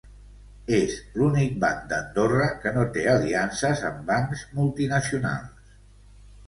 És l'únic banc d'Andorra que no té aliances amb bancs multinacionals.